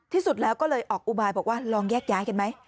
ที่สุดแล้วก็เลยออกอุบายบอกว่าลองแยกย้ายกันไหม